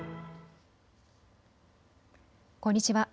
こんにちは。